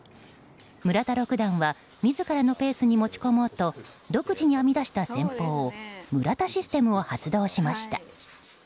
村田六段は自らのペースに持ち込もうと独自に編み出した戦法村田システムを発動しました。